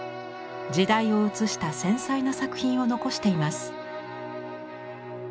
時代を映した繊細な作品を残しています。